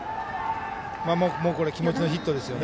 これは気持ちのヒットですね。